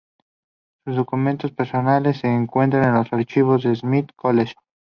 Sus documentos personales se encuentran en los archivos del Smith College.